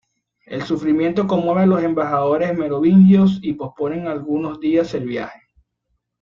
El sufrimiento conmueve a los embajadores merovingios y posponen algunos días el viaje.